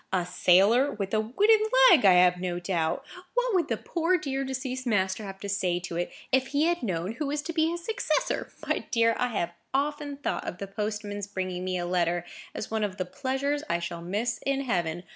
A sailor,—with a wooden leg, I have no doubt. What would the poor, dear, deceased master have said to it, if he had known who was to be his successor! My dear, I have often thought of the postman's bringing me a letter as one of the pleasures I shall miss in heaven.